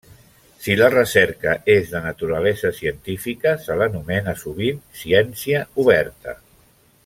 Si la recerca és de naturalesa científica, se l'anomena sovint ciència oberta.